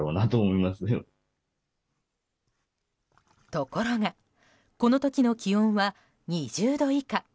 ところがこの時の気温は２０度以下。